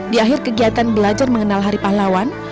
di akhir kegiatan belajar mengenal hari pahlawan